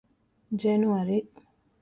ޖެނުއަރީ